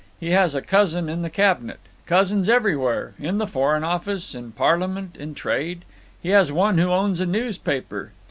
He has a cousin in the Cabinet; cousins everywhere, in the Foreign Office, in Parliament, in trade; he has one who owns a newspaper.